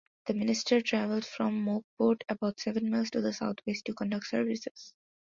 The minister traveled from Mauckport, about seven miles to the southwest, to conduct services.